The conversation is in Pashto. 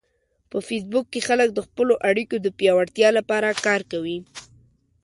په فېسبوک کې خلک د خپلو اړیکو د پیاوړتیا لپاره کار کوي